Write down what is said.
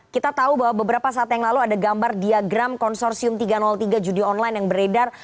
kita tahu bahwa beberapa saat yang lalu ada gambar diagram konsorsium tiga ratus tiga judi online yang beredar